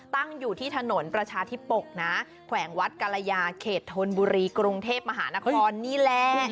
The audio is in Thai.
ตั้งอยู่ที่ถนนประชาธิปกนะแขวงวัดกรยาเขตธนบุรีกรุงเทพมหานครนี่แหละ